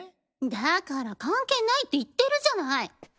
だから関係ないって言ってるじゃない！